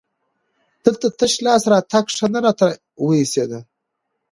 دلته تش لاس راتګ ښه نه راته وایسېد.